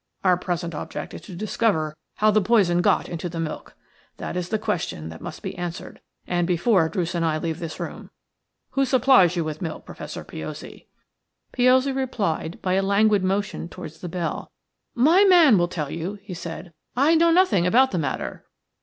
Our present object is to discover how the poison got into the milk. That is the question that must be answered, and before Druce and I leave this room. Who supplies you with milk, Professor Piozzi?" Piozzi replied by a languid motion towards the bell. "My man will tell you," he said. "I know nothing about the matter."